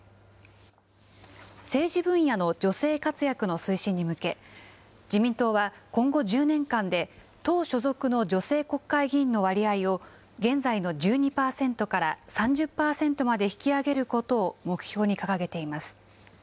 政治分野の女性活躍の推進に向け、自民党は今後１０年間で党所属の女性国会議員の割合を現在の１２％から３０％まで引き上げることを目標に掲げています。